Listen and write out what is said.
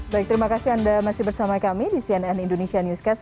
baik terima kasih anda masih bersama kami di cnn indonesia newscast